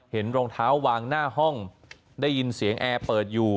รองเท้าวางหน้าห้องได้ยินเสียงแอร์เปิดอยู่